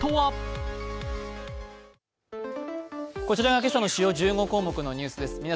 こちらが今朝の主要１５項目のニュースです。